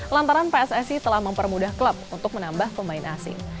lantaran pssi telah mempermudah klub untuk menambah pemain asing